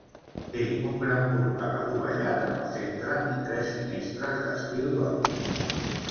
Té un gran portal adovellat en el centre i tres finestres d'estil gòtic.